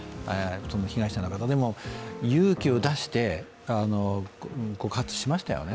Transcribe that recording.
被害者の方、勇気を出して告発しましたよね。